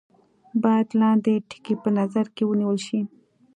باید لاندې ټکي په نظر کې ونیول شي.